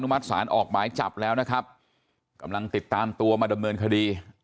มัติศาลออกหมายจับแล้วนะครับกำลังติดตามตัวมาดำเนินคดี